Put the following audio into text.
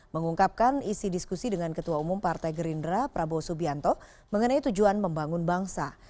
mengungkapkan isi diskusi dengan ketua umum partai gerindra prabowo subianto mengenai tujuan membangun bangsa